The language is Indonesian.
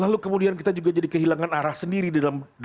lalu kemudian kita juga jadi kehilangan arah sendiri di dalam hal ini itu